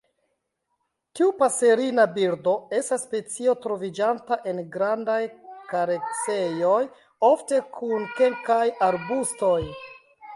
Tiu paserina birdo estas specio troviĝanta en grandaj kareksejoj, ofte kun kelkaj arbustoj.